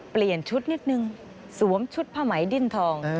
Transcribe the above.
เปลี่ยนชุดนิดนึงสวมชุดผ้าไหมดิ้นทอง